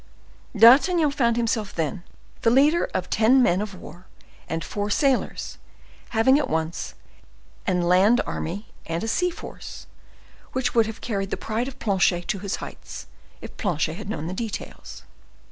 D'Artagnan found himself, then, the leader of ten men of war and four sailors, having at once an land army and a sea force, which would have carried the pride of Planchet to its height, if Planchet had known the details.